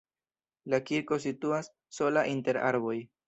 La kirko situas sola inter arboj.